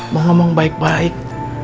mau ngomong baik baik